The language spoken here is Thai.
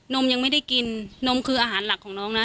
มยังไม่ได้กินนมคืออาหารหลักของน้องนะ